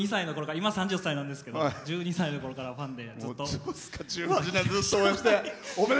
今３０なんですけど１２歳のころからファンで。